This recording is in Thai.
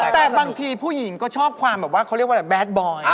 แต่บางทีผู้หญิงก็ชอบความแบบว่าเขาเรียกว่าแดดบอย